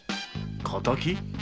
「敵」？